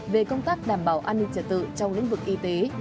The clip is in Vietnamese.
về công tác đảm bảo an ninh trật tự trong lĩnh vực y tế